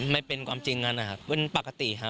ไม่เป็นความจริงนั่นค่ะเป็นปกติฮะ